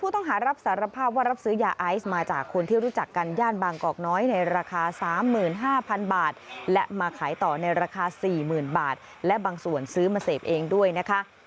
ต่อในราคา๔๐๐๐๐บาทและบางส่วนซื้อมาเสพเองด้วยนะคะ